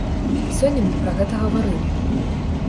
Сёння мы пра гэта гаварылі.